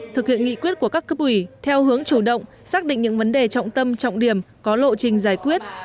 thực hiện nghị quyết của các cấp ủy theo hướng chủ động xác định những vấn đề trọng tâm trọng điểm có lộ trình giải quyết